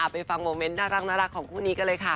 ไปฟังโมเมนต์น่ารักของคู่นี้กันเลยค่ะ